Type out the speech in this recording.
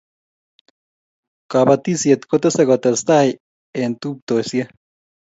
kabatishiet kotese kotestai eng' tuptoshiek